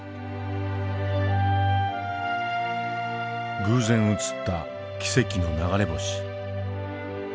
偶然写った奇跡の流れ星。